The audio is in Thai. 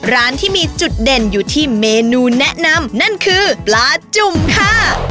ร้านที่มีจุดเด่นอยู่ที่เมนูแนะนำนั่นคือปลาจุ่มค่ะ